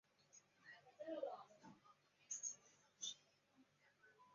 本科鱼类广泛分布于各大洋。